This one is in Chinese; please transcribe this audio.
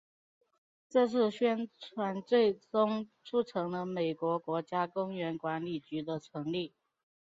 这次宣传最终促成了美国国家公园管理局的成立。